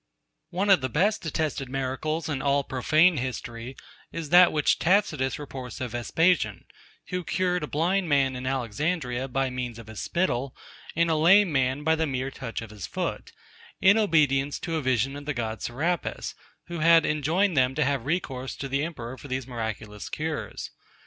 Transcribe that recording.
96. One of the best attested miracles in all profane history, is that which Tacitus reports of Vespasian, who cured a blind man in Alexandria, by means of his spittle, and a lame man by the mere touch of his foot; in obedience to a vision of the god Serapis, who had enjoined them to have recourse to the Emperor, for these miraculous cures.